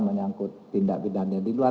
menyangkut tindak pidana di luar